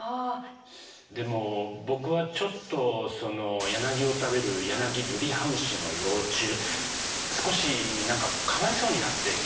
でも僕はちょっとヤナギを食べるヤナギルリハムシの幼虫少し何かかわいそうになってきましたね。